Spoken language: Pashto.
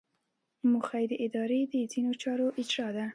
موخه یې د ادارې د ځینو چارو اجرا ده.